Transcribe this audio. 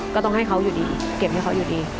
ก็ต้องให้เขาอยู่ดีเก็บให้เขาอยู่ดี